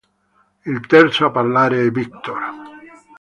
Il terzo a parlare è Victor.